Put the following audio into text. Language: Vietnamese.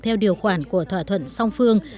theo điều khoản của thỏa thuận song phương